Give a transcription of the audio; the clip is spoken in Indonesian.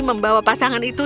membawa pasangan itu